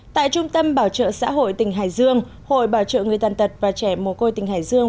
tại trung tâm bảo trợ xã hội tỉnh hải dương hội bảo trợ người tàn tật và trẻ mồ côi tỉnh hải dương